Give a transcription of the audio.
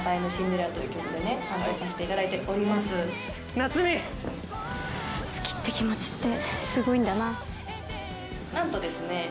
「夏海」「好きって気持ちってすごいんだな」